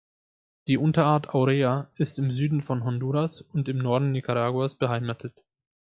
Die Unterart "aurea" ist im Süden von Honduras und im Norden Nicaraguas beheimatet.